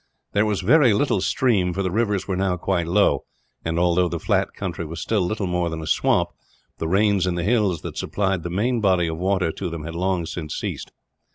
There was very little stream, for the rivers were now quite low and, although the flat country was still little more than a swamp, the rains in the hills that supplied the main body of water to them had long since ceased.